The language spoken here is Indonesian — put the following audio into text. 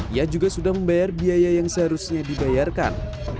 ia juga sudah membayar biaya yang seharusnya dibayarkan